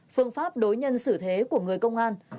phương pháp đối nhân xử thế của người công an